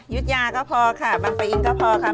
ยุธยาก็พอค่ะบางปะอินก็พอค่ะ